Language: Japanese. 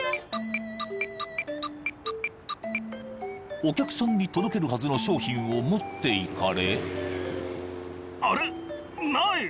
［お客さんに届けるはずの商品を持っていかれ］